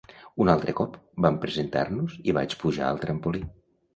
Un altre cop, van presentar-nos i vaig pujar al trampolí.